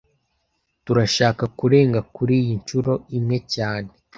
Turashaka kurenga kuriyi nshuro imwe cyane